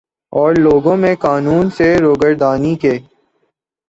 اور لوگوں میں قانون سے روگردانی کے